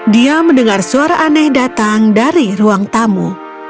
dia mendengar suara aneh datang dari ruang tamu